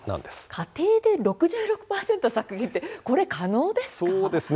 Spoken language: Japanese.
家庭で６６％削減って可能ですか？